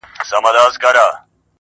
بس همدغه لېونتوب یې وو ښودلی!٫.